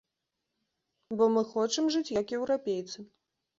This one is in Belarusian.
Бо мы хочам жыць як еўрапейцы.